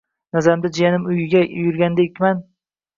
— Nazarimda, haliyam uyimda yurgandekman! — deding.